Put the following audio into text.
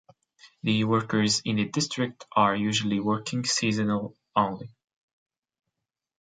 The workers in the district are usually working seasonal only.